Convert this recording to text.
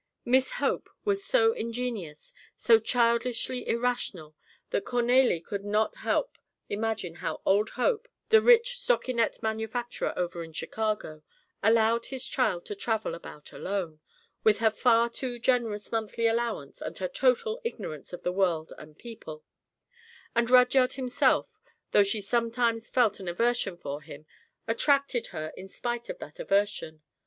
Miss Hope was so ingenious, so childishly irrational, that Cornélie could not imagine how old Hope, the rich stockinet manufacturer over in Chicago, allowed this child to travel about alone, with her far too generous monthly allowance and her total ignorance of the world and people; and Rudyard himself, though she sometimes felt an aversion for him, attracted her in spite of that aversion.